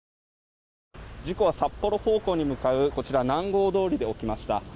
事故は札幌方向に向かうこちら南郷通で起きました。